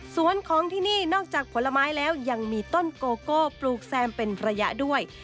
สวนของที่นี่นอกจากผลไม้แล้วยังมีต้นโกโก้ปลูกแซมเป็นระยะด้วย